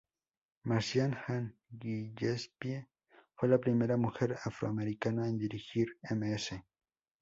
Marcia Ann Gillespie fue la primera mujer afroamericana en dirigir Ms.